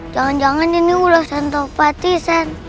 jangan jangan ini ulasan topatisan